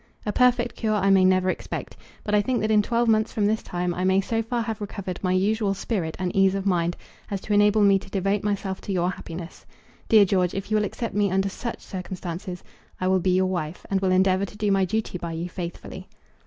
A perfect cure I may never expect, but I think that in twelve months from this time I may so far have recovered my usual spirit and ease of mind as to enable me to devote myself to your happiness. Dear George, if you will accept me under such circumstances, I will be your wife, and will endeavour to do my duty by you faithfully.